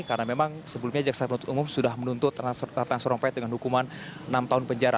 karena memang sebelumnya jaksa penuntut umum sudah menuntut ratna sarumpait dengan hukuman enam tahun penjara